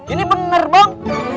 ini bener bang